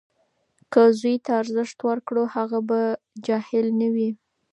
که زوی ته ارزښت ورکړو، هغه به جاهل نه وي.